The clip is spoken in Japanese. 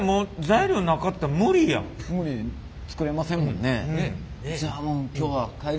作れませんもんね。